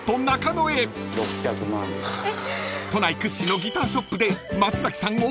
［都内屈指のギターショップで］